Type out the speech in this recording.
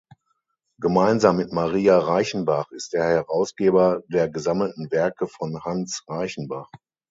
Gemeinsam mit Maria Reichenbach ist er Herausgeber der Gesammelten Werke von Hans Reichenbach.